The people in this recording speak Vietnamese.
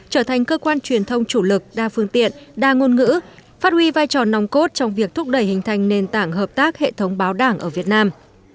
trở thành cơ quan truyền thông chủ lực đa phương tiện đa ngôn ngữ phát huy vai trò nòng cốt trong việc thúc đẩy hình thành nền tảng hợp tác hệ thống báo đảng ở việt nam